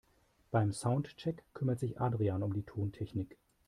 Beim Soundcheck kümmert sich Adrian um die Tontechnik.